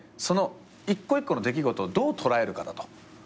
その一個一個の出来事をどう捉えるかだと。